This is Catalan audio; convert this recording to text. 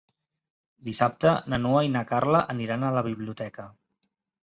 Dissabte na Noa i na Carla aniran a la biblioteca.